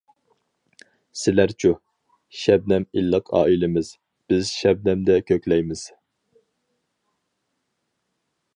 سىلەرچۇ؟ شەبنەم ئىللىق ئائىلىمىز، بىز شەبنەمدە كۆكلەيمىز!